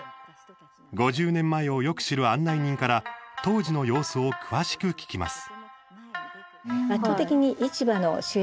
５０年前をよく知る案内人から当時の様子を詳しく聞きます。